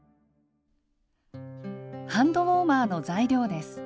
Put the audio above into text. ハンドウォーマーの材料です。